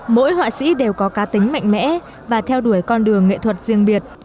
mỗi họa sĩ đều có cá tính mạnh mẽ và theo đuổi con đường nghệ thuật riêng biệt